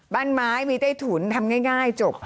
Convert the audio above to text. บ้านไม้มีใต้ถุนทำง่ายจบ